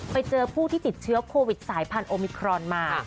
ไปเจอผู้ที่ติดเชื้อโควิดสายพันธุมิครอนมา